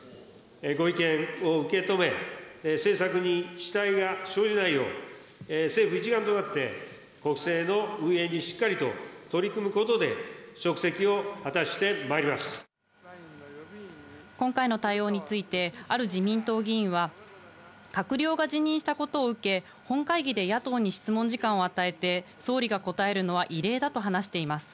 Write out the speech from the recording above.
ご意見を受け止め、政策に遅滞が生じないよう、政府一丸となって、国政の運営にしっかりと取り組むことで、今回の対応について、ある自民党議員は、閣僚が辞任したことを受け、本会議で野党に質問時間を与えて総理が答えるのは異例だと話しています。